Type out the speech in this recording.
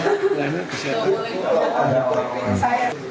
nah ini kesehatan